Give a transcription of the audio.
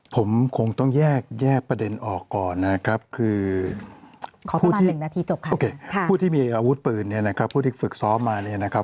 ผมคงต้องแยกประเด็นออกก่อนนะครับพูดที่มีอาวุธปืนพูดที่ฝึกซ้อมมา